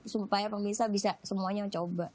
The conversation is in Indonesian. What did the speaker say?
supaya pemirsa bisa semuanya coba